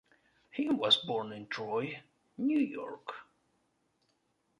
He was born in Troy, New York.